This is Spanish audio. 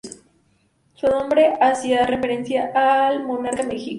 Su nombre hacía referencia al monarca mexica.